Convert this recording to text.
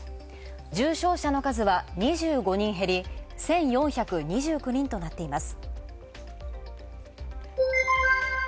重症者の数は２５人減り１４２９人となっています。